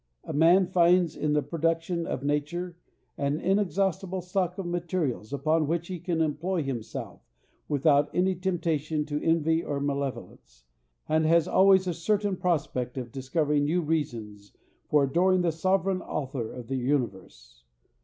A man finds in the production of nature an inexhaustible stock of materials upon which he can employ himself without any temptation to envy or malevolence, and has always a certain prospect of discovering new reasons for adoring the sovereign Author of the universe.